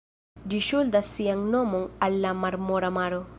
Ĝi ŝuldas sian nomon al la Marmora maro.